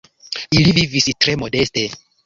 Ili vivis tre modeste.